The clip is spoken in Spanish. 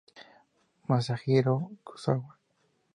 Masahiro Kazuma